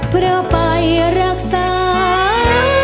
เพราะไปรักสาว